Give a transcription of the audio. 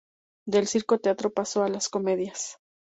Del circo-teatro pasó a las comedias.